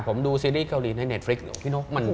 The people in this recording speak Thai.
ผมดูซีรีส์เกาหลีในเน็ตฟริก